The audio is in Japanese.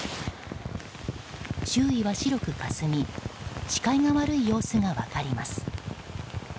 周囲は白くかすみ視界が悪い様子が分かります。